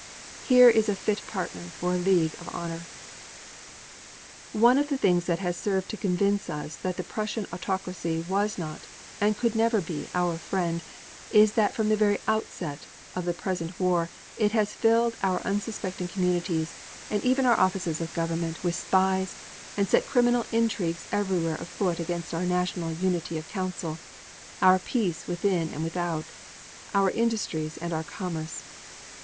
Here is a fit partner for a League of Honor. One of the things that has served to convince us that the Prussian autocracy was not and could never be our friend is that from the very outset of the present war it has filled our unsuspecting communities and even our offices of government with spies and set criminal intrigues everywhere afoot against our national unity of counsel, our peace within and without, our industries and our commerce.